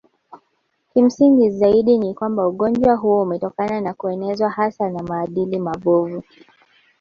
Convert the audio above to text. Kimsingi zaidi ni kwamba ugonjwa huo umetokana na kuenezwa hasa na maadili mabovu